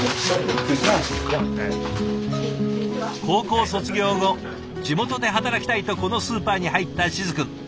高校卒業後地元で働きたいとこのスーパーに入った静くん。